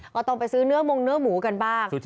ก็ต้องไปซื้อเนื้อมงเนื้อหมูกันบ้าง